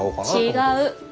違う。